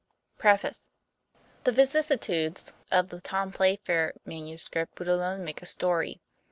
PREFACE. vicissitudes of the "Tom Playfair " manu I script would alone make a story.